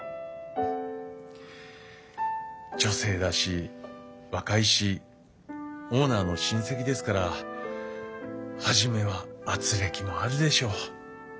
女性だし若いしオーナーの親戚ですから初めはあつれきもあるでしょう。